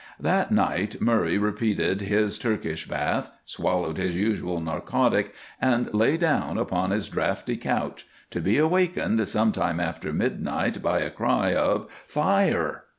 That night Murray repeated his Turkish bath, swallowed his usual narcotic, and lay down upon his draughty couch to be awakened some time after midnight by a cry of "Fire."